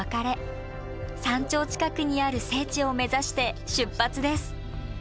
山頂近くにある聖地を目指して出発です。